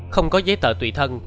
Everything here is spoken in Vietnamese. không có giấy tờ tùy thân